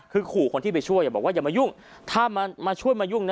คือขู่คนที่ไปช่วยบอกว่าอย่ามายุ่งถ้ามาช่วยมายุ่งนะ